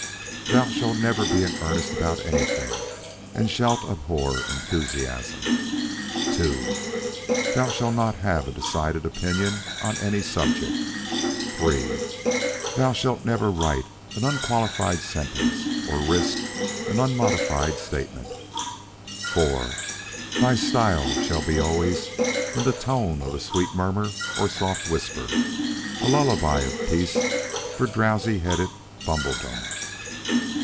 Thou shalt never be in earnest about anything, and shalt abhor enthusiasm. II. Thou shalt not have a decided opinion on any subject. III. Thou shalt never write an unqualified sentence, or risk an unmodified statement. IV. Thy style shall be always in the tone of a sweet murmur or soft whisper; a lullaby of peace for drowsy headed Bumbledom.